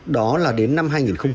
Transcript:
đó là đến năm hai nghìn ba mươi